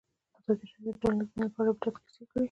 ازادي راډیو د ټولنیز بدلون په اړه د عبرت کیسې خبر کړي.